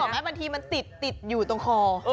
บางทีมันติดอยู่ตรงคอ